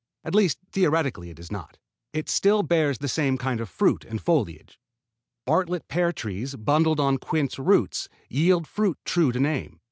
At least theoretically it is not. It still bears the same kind of fruit and foliage. Bartlett pear trees budded on quince roots yield fruit true to name.